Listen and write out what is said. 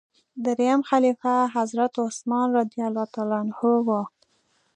دریم خلیفه حضرت عثمان رض و.